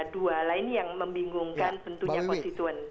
dua lain yang membingungkan bentuknya konstituen